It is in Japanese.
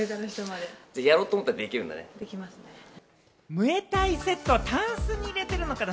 ムエタイセットをタンスに入れてるのかな？